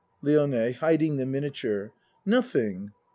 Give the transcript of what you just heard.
LIONE (Hiding the miniature.) Nothing.